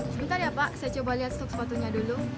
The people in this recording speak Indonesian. sebentar ya pak saya coba lihat stok sepatunya dulu